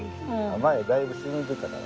前だいぶ沈んでたからな。